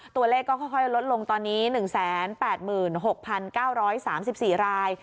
ตัวเลขก็ค่อยลดลงตอนนี้๑๘๖๙๓๔ราย